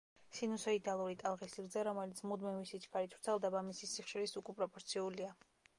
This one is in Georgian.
სინუსოიდალური ტალღის სიგრძე, რომელიც მუდმივი სიჩქარით ვრცელდება მისი სიხშირის უკუპროპორციულია.